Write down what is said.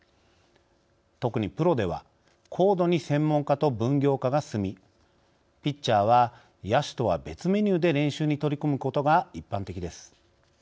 特にプロでは高度に専門化と分業化が進みピッチャーは野手とは別メニューで練習に取り組むことが一般的です。